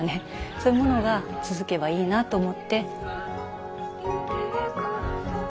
そういうものが続けばいいなと思って。